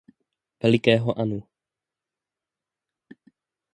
Velikého Annu.